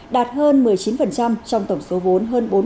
đạt hơn một mươi chín trong tổng số vốn hơn bốn sáu ngàn tỷ đồng